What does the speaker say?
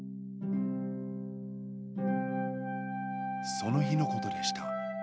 そのひのことでした。